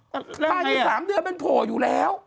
ภายใน๓เดือนมันโผล่อยู่แล้ว